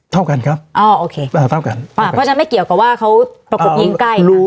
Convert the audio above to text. เท่ากันครับเพราะฉะนั้นไม่เกี่ยวกับว่าเขาประกบยิงใกล้